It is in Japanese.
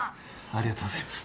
ありがとうございます。